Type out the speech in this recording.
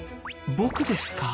僕ですか？